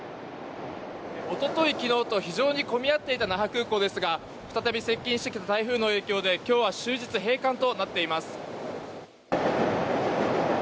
一昨日昨日と非常に混み合っていた那覇空港ですが再び接近してきた台風の影響で今日は終日閉館となっています。